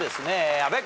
阿部君。